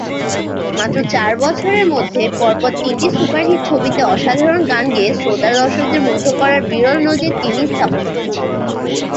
মাত্র চার বছরের মধ্যে পর পর তিনটি সুপারহিট ছবিতে অসাধারণ গান গেয়ে শ্রোতা-দর্শকদের মুগ্ধ করার বিরল নজির তিনিই স্থাপন করেছিলেন।